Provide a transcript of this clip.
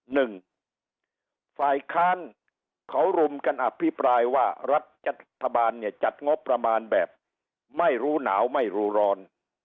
หนึ่งฝ่ายค้านเขารุมกันอภิปรายว่ารัฐบาลเนี่ยจัดงบประมาณแบบไม่รู้หนาวไม่รู้ร้อน